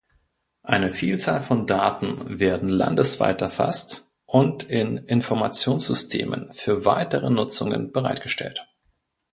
Eine Vielzahl von Daten werden landesweit erfasst und in Informationssystemen für weitere Nutzungen bereitgestellt.